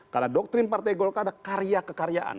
karena doktrin partai golkar ada karya kekaryaan